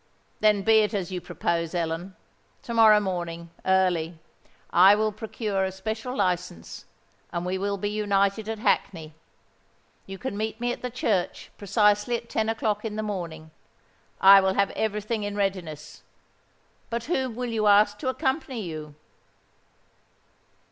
"Then be it as you propose, Ellen. To morrow morning, early, I will procure a special license, and we will be united at Hackney. You can meet me at the church precisely at ten o'clock in the morning: I will have every thing in readiness. But whom will you ask to accompany you?"